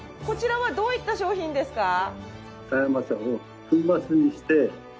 こちらはどういった商品ですか？